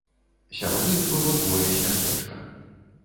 Сярод іх было двое з мястэчка.